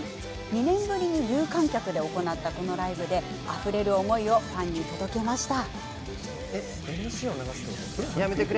２年ぶりに有観客で行ったこのライブであふれる思いをファンに届けました。